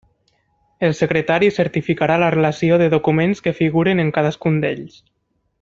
El secretari certificarà la relació de documents que figurin en cadascun d'ells.